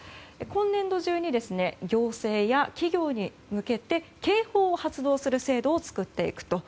今年度中に行政や企業に向けて警報を発動する制度を作っていくと。